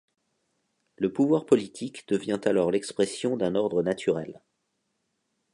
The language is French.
Le pouvoir politique devient alors l'expression d'un ordre naturel.